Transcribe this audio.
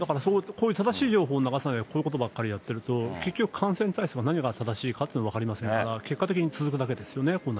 こういう正しい情報を流さないで、こういうことばっかりやってると、結局、感染対策は何が正しいかというのも分かりませんから、結果的に続くだけですよね、これ。